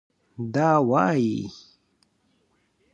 دا وايي